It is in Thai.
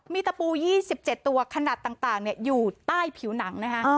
มีตะปูยี่สิบเจ็ดตัวขนาดต่างต่างเนี่ยอยู่ใต้ผิวหนังนะฮะ